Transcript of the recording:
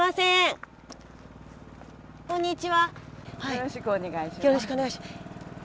よろしくお願いします。